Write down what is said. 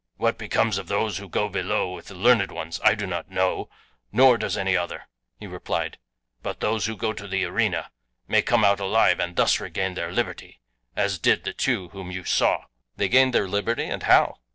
"What becomes of those who go below with the learned ones I do not know, nor does any other," he replied; "but those who go to the arena may come out alive and thus regain their liberty, as did the two whom you saw." "They gained their liberty? And how?"